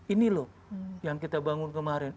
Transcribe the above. ini loh yang kita bangun kemarin